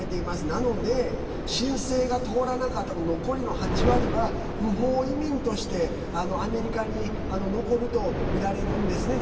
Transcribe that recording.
なので、申請が通らなかった残りの８割は不法移民としてアメリカに残るとみられるんですね。